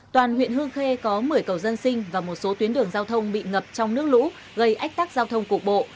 toàn huyện hương khê có một mươi cầu dân sinh và một số tuyến đường giao thông bị ngập trong nước lũ gây ách tắc giao thông cục bộ